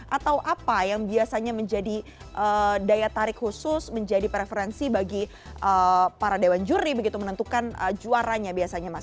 atau apa yang biasanya menjadi daya tarik khusus menjadi preferensi bagi para dewan juri begitu menentukan juaranya biasanya mas